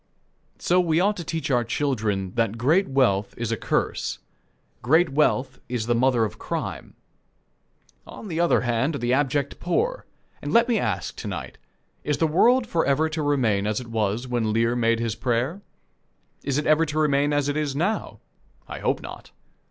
So we ought to teach our children that great wealth is a curse. Great wealth is the mother of crime. On the other hand are the abject poor. And let me ask, to night: Is the world forever to remain as it was when Lear made his prayer? Is it ever to remain as it is now? I hope not.